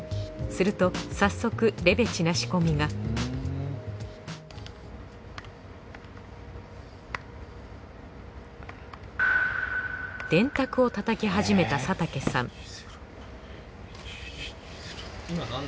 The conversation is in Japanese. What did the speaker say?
すると早速レベチな仕込みが電卓をたたき始めた佐竹さん